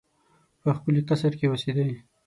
په ښکلي قصر کې اوسېدی.